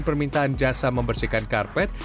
permintaan jasa membersihkan karpet